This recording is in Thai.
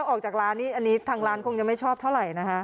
ออกจากร้านนี่อันนี้ทางร้านคงจะไม่ชอบเท่าไหร่นะคะ